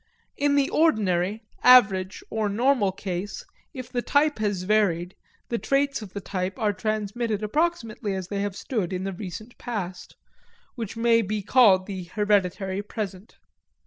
In the ordinary, average, or normal case, if the type has varied, the traits of the type are transmitted approximately as they have stood in the recent past which may be called the hereditary present.